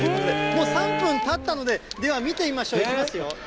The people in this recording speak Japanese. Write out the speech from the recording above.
もう３分たったので、では見てみましょう、いきますよ。